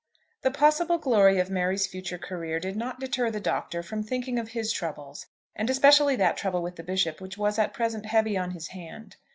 THE possible glory of Mary's future career did not deter the Doctor from thinking of his troubles, and especially that trouble with the Bishop which was at present heavy on his hand.